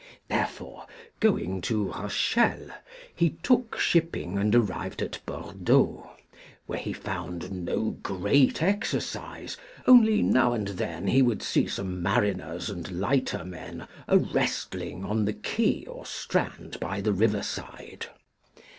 Therefore, going to Rochelle, he took shipping and arrived at Bordeaux, where he found no great exercise, only now and then he would see some mariners and lightermen a wrestling on the quay or strand by the river side.